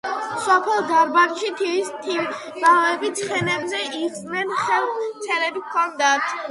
სოფელ დარბანდში თივის მთიბავები ცხენებზე ისხდნენ და ხელთ ცელები ჰქონდათ